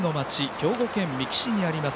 兵庫県三木市にあります。